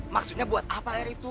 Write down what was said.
maksudnya buat apa air itu